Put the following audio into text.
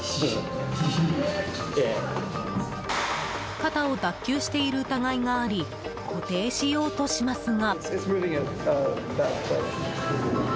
肩を脱臼している疑いがあり固定しようとしますが。